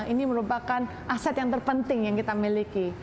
ini merupakan aset yang terpenting yang kita miliki